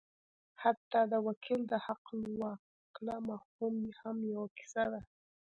حتی د وکیل د حقالوکاله مفهوم هم یوه کیسه ده.